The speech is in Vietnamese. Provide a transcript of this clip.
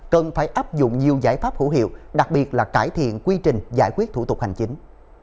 cần phải áp dụng nhiều giải pháp hữu hiệu đặc biệt là cải thiện quy trình giải quyết thủ tục hành chính